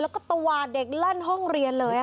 แล้วก็ตวาดเด็กลั่นห้องเรียนเลย